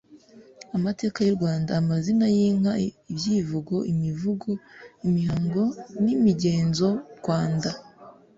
amateka y'u Rwanda, amazina y'inka, ibyivugo, imivugo, imihango n'imigenzo, Rwanda